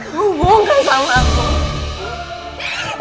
hubungkan sama aku